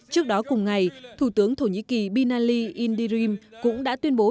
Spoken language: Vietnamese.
trước đó cùng ngày thủ tướng thổ nhĩ kỳ binali indirim cũng đã tuyên bố